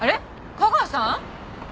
架川さん？